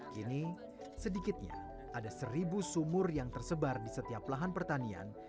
kini sedikitnya ada seribu sumur yang tersebar di setiap lahan pertanian